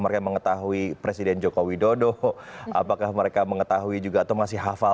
mereka mengetahui presiden joko widodo apakah mereka mengetahui juga atau masih hafal